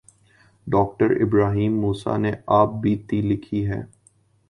ڈاکٹرابراہیم موسی نے آپ بیتی لکھی ہے۔